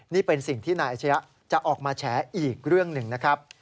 นี่เป็นสิ่งที่นายอาชญะจะออกมาแฉอีกเรื่องหนึ่งนะครับ